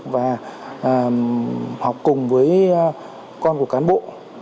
và học cùng với con của cán bộ